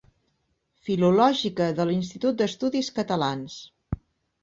Filològica de l'Institut d'Estudis Catalans.